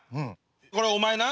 これお前な。